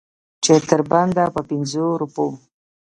چې تر بنده په پنځو روپو.